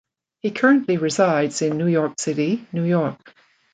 He currently resides in New York City, New York.